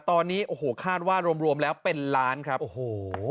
ตอนนี้โอ้โหคาดว่ารวมรวมแล้วเป็นล้านครับโอ้โห